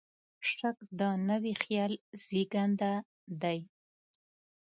شک د نوي خیال زېږنده دی.